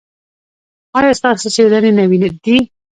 ایا ستاسو څیړنې نوې دي؟